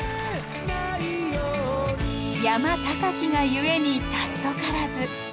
山高きが故に貴からず。